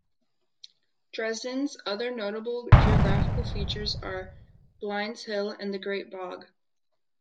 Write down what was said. Dresden's other notable geographical features are Blinn's Hill and The Great Bog.